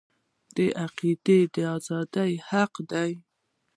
د عقیدې ازادي حق دی